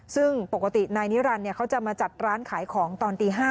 ซึ่งปกตินายนิรันดิ์เขาจะมาจัดร้านขายของตอนตี๕